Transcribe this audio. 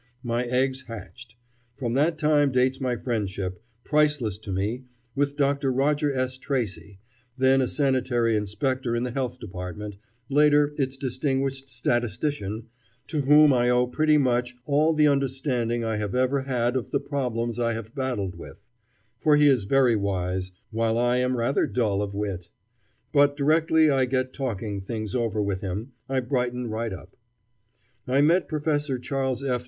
My eggs hatched. From that time dates my friendship, priceless to me, with Dr. Roger S. Tracy, then a sanitary inspector in the Health Department, later its distinguished statistician, to whom I owe pretty much all the understanding I have ever had of the problems I have battled with; for he is very wise, while I am rather dull of wit. But directly I get talking things over with him, I brighten right up. I met Professor Charles F.